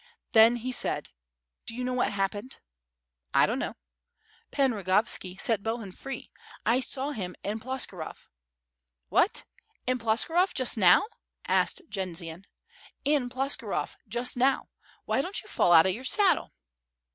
Then he said: "Do you know what happened?" "I don't know." "Pan Rogovski set Bohun free. I saw him in Ploskirov." "What, in Ploskirov, just now?" asked Jendzian. "In Ploskirov, just now! Why don't you fall out of your saddle?"